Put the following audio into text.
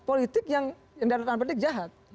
politik yang tidak bertandar politik jahat